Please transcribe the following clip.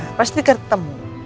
ya pasti ketemu